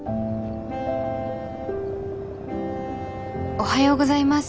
おはようございます。